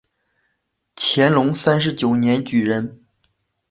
乾隆三十九年举人。